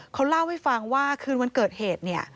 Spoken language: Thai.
เขาเล่าให้ฟังว่าคืนวันเกิดเหตุเนี่ย